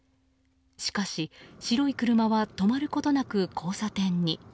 しかし、白い車は止まることなく交差点に。